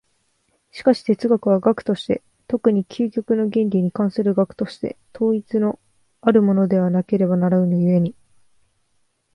しかし哲学は学として、特に究極の原理に関する学として、統一のあるものでなければならぬ故に、